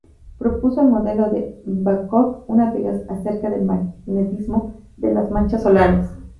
Propuso el Modelo de Babcock, una teoría acerca del magnetismo de las manchas solares.